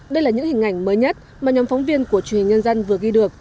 đây là những hình ảnh mới nhất mà nhóm phóng viên của truyền hình nhân dân vừa ghi được